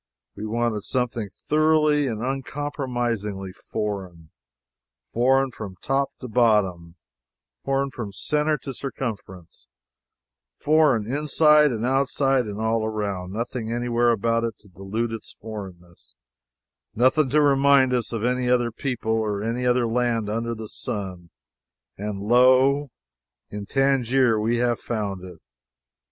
We wanted something thoroughly and uncompromisingly foreign foreign from top to bottom foreign from center to circumference foreign inside and outside and all around nothing anywhere about it to dilute its foreignness nothing to remind us of any other people or any other land under the sun. And lo! In Tangier we have found it.